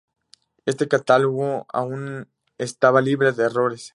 Este catálogo aún no estaba libre de errores.